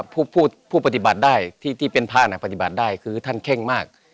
ผู้ผู้ผู้ปฏิบัติได้ที่ที่เป็นพระน่ะปฏิบัติได้คือท่านเข้งมาก